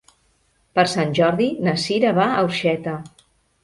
Per Sant Jordi na Cira va a Orxeta.